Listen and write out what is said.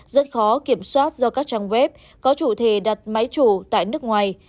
rất khó kiểm soát do các trang web có chủ thể đặt máy chủ tại nước ngoài